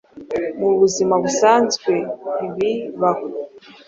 mu buzima busanzwe ntibibaho